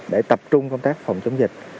để tập trung công tác phòng chống dịch